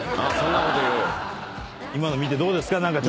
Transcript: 今の見てどうですか？